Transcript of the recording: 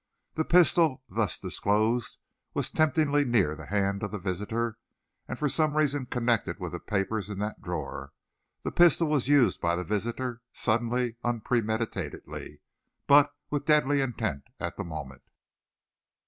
The pistol, thus disclosed, was temptingly near the hand of the visitor, and, for some reason connected with the papers in that drawer, the pistol was used by the visitor suddenly, unpremeditatedly, but with deadly intent at the moment."